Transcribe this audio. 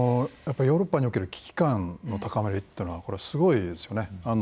やっぱりヨーロッパにおける危機感の高まりというのはこれはすごいですよね。